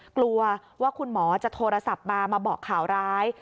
กลัวว่าคุณหมอจะโทรศัพท์มามาบอกข่าวร้าย